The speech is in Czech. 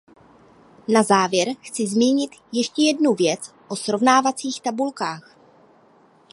Na závěr chci zmínit ještě jednu věc o srovnávacích tabulkách.